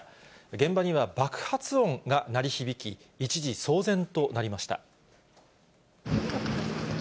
現場には、爆発音が鳴り響き、一時騒然となりました。